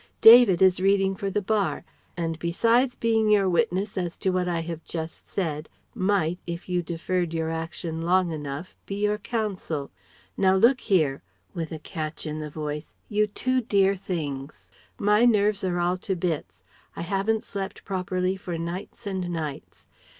David is reading for the Bar; and besides being your witness to what I have just said, might if you deferred your action long enough be your Counsel.... Now look here," (with a catch in the voice) "you two dear things. My nerves are all to bits.... I haven't slept properly for nights and nights.